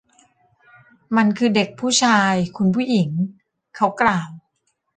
มันคือเด็กผู้ชาย คุณผู้หญิง เขากล่าว